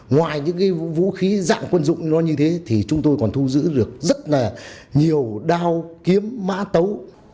ngoài những cái vũ khí dạng quân dụng nó như thế thì chúng tôi còn thu giữ được rất là nhiều đao kiếm mã tấu